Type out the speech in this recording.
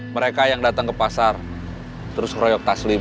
mereka yang datang ke pasar terus ngeroyok taslim